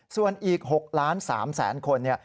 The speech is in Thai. ส่วนอีก๖ล้าน๓แสนคน